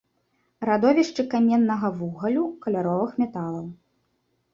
Радовішчы каменнага вугалю, каляровых металаў.